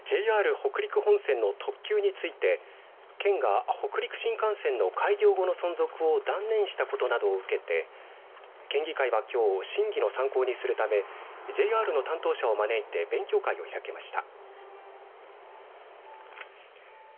北陸本線の特急について県が北陸新幹線の開業後の存続を断念したことなどを受けて県議会はきょう審議の参考にするためＪＲの担当者を招いて勉強会を開きました。